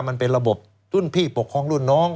มันเป็นระบบรุ่นพี่ปกครองรุ่นน้อง